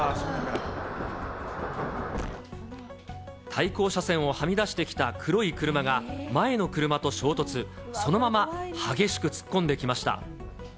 対向車線をはみ出してきた黒い車が前の車と衝突、そのまま激しく突っ込んできました。